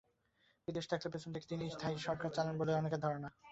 বিদেশে থাকলেও পেছনে থেকে তিনিই থাই সরকার চালান বলে অনেকের ধারণা।